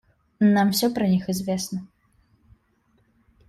Нам всё про них известно.